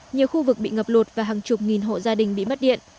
nhiều khu vực bị ngập lụt và hàng chục nghìn hộ gia đình bị mất điện